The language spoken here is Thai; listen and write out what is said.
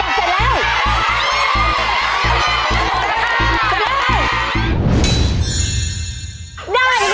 จดแล้วไง